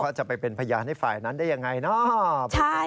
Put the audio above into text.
เขาจะไปเป็นพยานให้ฝ่ายนั้นได้ยังไงเนาะ